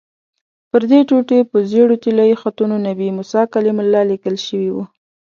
پردې ټوټې په ژېړو طلایي خطونو 'نبي موسی کلیم الله' لیکل شوي وو.